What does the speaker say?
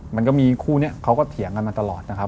มันก็มีคู่นี้เขาก็เถียงกันมาตลอดนะครับ